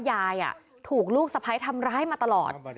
ยายถูกลูกสะพ้ายทำร้ายมาตลอด